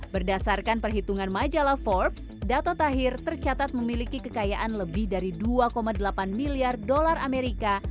berdasarkan perhitungan majalah forbes dato tahir tercatat memiliki kekayaan lebih dari dua delapan miliar dolar amerika